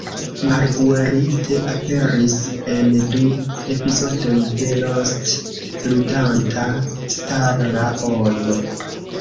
Marguerite aperis en du epizodoj de "Lost", ludanta Starla-on.